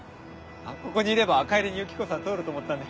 ここにいれば帰りにユキコさん通ると思ったんで。